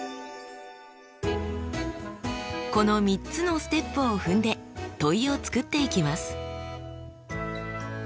この３つのステップを踏んで問いを作っていきます。